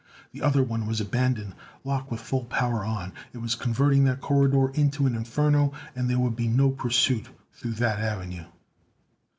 The other one was abandoned, locked with full power on. It was converting that corridor into an inferno, and there would be no pursuit through that avenue.